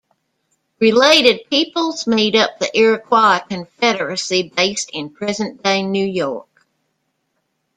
Related peoples made up the Iroquois Confederacy based in present-day New York.